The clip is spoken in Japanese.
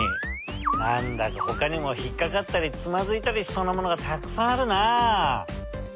なんだかほかにもひっかかったりつまずいたりしそうなものがたくさんあるなあ。